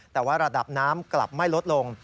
แต่ว่าระดับน้ำกลับไม่ลดลง